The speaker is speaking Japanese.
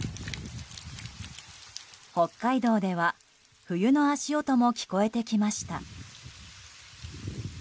北海道では冬の足音も聞こえてきました。